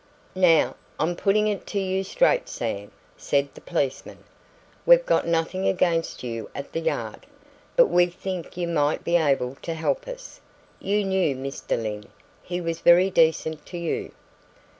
"Now, I'm putting it to you straight, Sam," said the policeman. "We've got nothing against you at the Yard, but we think you might be able to help us. You knew Mr. Lyne; he was very decent to you."